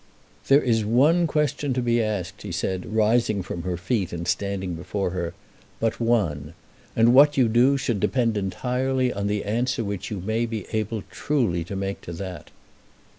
"There is one question to be asked," he said, rising from her feet and standing before her; "but one; and what you do should depend entirely on the answer which you may be able truly to make to that."